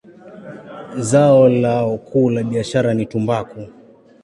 Zao lao kuu la biashara ni tumbaku.